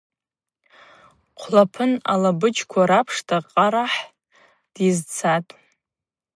Хъвлапын алабыджква рапшта Къара ахӏ дйызцатӏ.